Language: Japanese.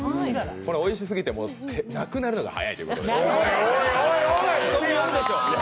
これ、おいしすぎてなくなるのがはやいということで。